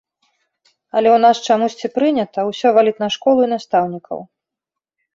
Але ў нас чамусьці прынята ўсё валіць на школу і настаўнікаў.